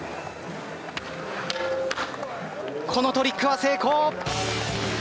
このトリックは成功！